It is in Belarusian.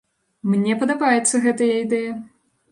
Мне падабаецца гэтая ідэя!